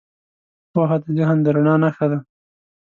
پوهه د ذهن د رڼا نښه ده.